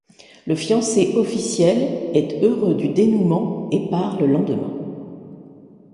Le fiancé officiel est heureux du dénouement et part le lendemain.